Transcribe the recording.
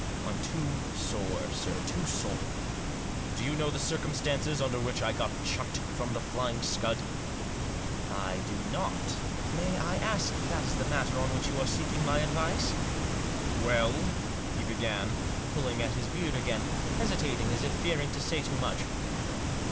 I'm too sore, sir, too sore. Do you know the circumstances under which I got chucked from The Flying Scud ?"" I do not. May I ask if that is the matter on which you are seeking my advice ?"" Well," he began, pulling at his beard again, hesi tating, as if fearing to say too much.